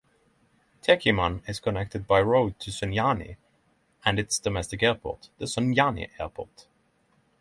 Techiman is connected by road to Sunyani and its domestic airport, the Sunyani Airport.